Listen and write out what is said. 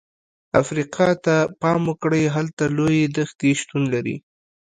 افریقا ته پام وکړئ، هلته لویې دښتې شتون لري.